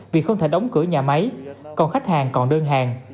vì không thể đóng cửa nhà máy còn khách hàng còn đơn hàng